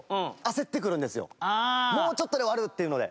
もうちょっとで終わるっていうので。